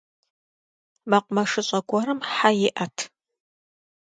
Мэкъумэшыщӏэ гуэрым хьэ иӏэт.